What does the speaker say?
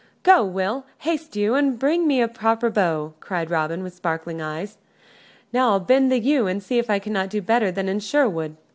"Go, Will. Haste you, and bring me a proper bow," cried Robin, with sparkling eyes. "Now I'll bend the yew and see if I cannot do better than in Sherwood."